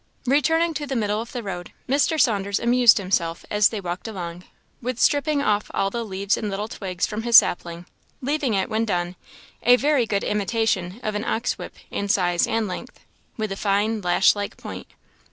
Returning to the middle of the road, Mr. Saunders amused himself, as they walked along, with stripping off all the leaves and little twigs from his sapling, leaving it, when done, a very good imitation of an ox whip in size and length, with a fine lash like point.